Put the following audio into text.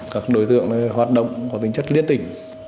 các đối tượng hoạt động có tính chất liên tỉnh